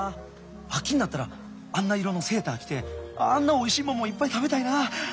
秋になったらあんな色のセーター着てあんなおいしいもんもいっぱい食べたいな。